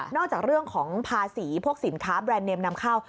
จากเรื่องของภาษีพวกสินค้าแบรนด์เนมนำเข้า